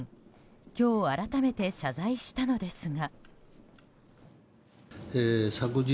今日改めて謝罪したのですが。